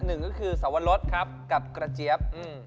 หนึ่งก็คือสวรสครับกับกระเจี๊ยบ